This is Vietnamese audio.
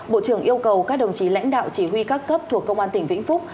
bộ trưởng yêu cầu các đồng chí lãnh đạo chỉ huy các cấp thuộc công an tỉnh vĩnh phúc